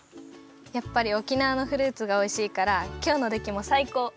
やっぱり沖縄のフルーツがおいしいからきょうのできもさいこう！